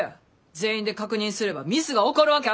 全員で確認すればミスが起こるわけあらへん。